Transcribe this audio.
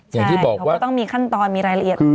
อย่างที่บอกว่าเขาก็ต้องมีขั้นตอนมีรายละเอียด